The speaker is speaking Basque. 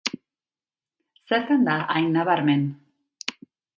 Zertan da hain nabarmen?